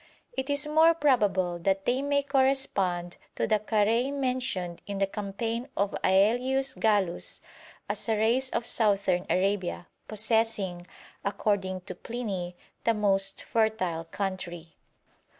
It is more probable that they may correspond to the Carrei mentioned in the campaign of Aelius Gallus as a race of Southern Arabia, possessing, according to Pliny, the most fertile country.